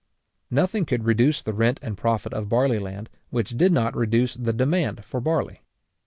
Nothing could reduce the rent and profit of barley land, which did not reduce the demand for barley.